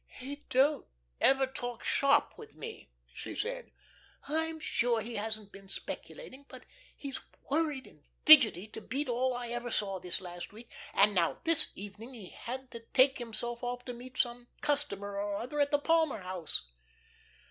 "He don't ever talk shop with me," she said. "I'm sure he hasn't been speculating, but he's worried and fidgety to beat all I ever saw, this last week; and now this evening he had to take himself off to meet some customer or other at the Palmer House."